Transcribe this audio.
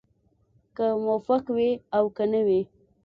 که موفق وي او که نه وي.